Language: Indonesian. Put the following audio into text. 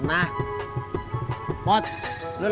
ini yang saya inginkan